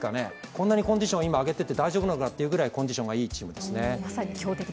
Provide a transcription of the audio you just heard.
こんなにコンディションを今上げてて大丈夫なのかというくらいコンディションがいいチームです。